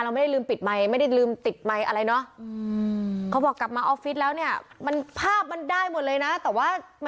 เราไม่ได้ลืมปิดไมค์ไม่ได้ลืมติดไมค์อะไรเนาะอืม